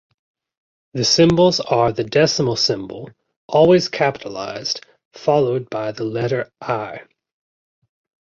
The symbols are the decimal symbol, always capitalised, followed by the letter "i".